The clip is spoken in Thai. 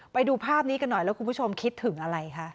ไปดูภาพนี้กันหน่อยแล้วคุณผู้ชมคิดถึงอะไรคะ